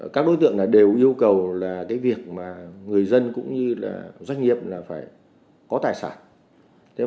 các đối tượng đều yêu cầu việc người dân cũng như doanh nghiệp phải có tài sản